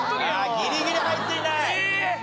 ギリギリ入っていない！